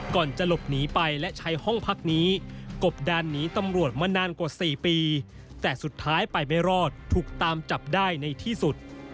ก่อนจะหลบหนีไปและใช้ห้องพักนี้กบดานหนีตำรวจมานานกว่า๔ปีแต่สุดท้ายไปไม่รอดถูกตามจับได้ในที่สุด